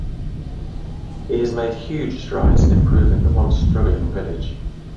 He has made huge strides in improving the once struggling village.